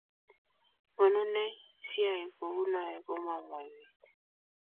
monunee si iyai kou noe komaimwowech?